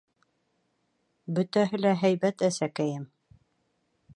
— Бөтәһе лә һәйбәт әсәкәйем.